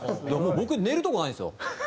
僕寝るとこないんですよ。